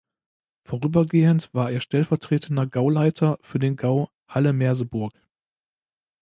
Vorübergehend war er stellvertretender Gauleiter für den Gau Halle-Merseburg.